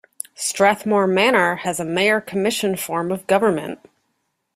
Strathmoor Manor has a mayor-commission form of government.